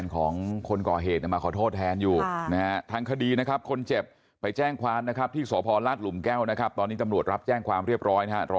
เขารับไม่ได้ในโรงพยาบาลมาต่อในโรงพยาบาล